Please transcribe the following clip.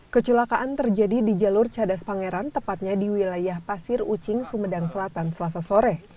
kecelakaan terjadi di jalur cadas pangeran tepatnya di wilayah pasir ucing sumedang selatan selasa sore